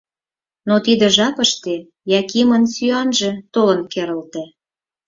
Но тиде жапыште Якимын сӱанже толын керылте.